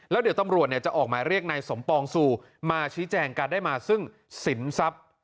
แล้วเดี๋ยวตำรวจจะออกหมายเรียกนายสมปองสู่มาชี้แจงการได้มาซึ่งสินทรัพย์